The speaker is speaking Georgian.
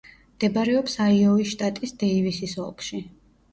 მდებარეობს აიოვის შტატის დეივისის ოლქში.